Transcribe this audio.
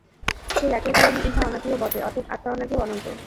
সেই একই কারণে ইহা অনাদিও বটে, অতএব আত্মা অনাদি ও অনন্ত।